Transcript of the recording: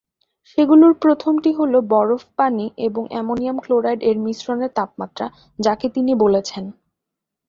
সেগুলোর প্রথম টি হল বরফ, পানি এবং অ্যামোনিয়াম ক্লোরাইড এর মিশ্রণের তাপমাত্রা, যাকে তিনি বলেছেন।